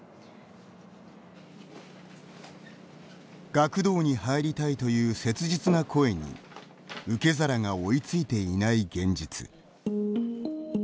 学童に入りたいという切実な声に受け皿が追いついていない現実。